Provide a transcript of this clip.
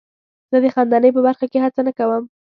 زه د خندنۍ په برخه کې هڅه نه کوم.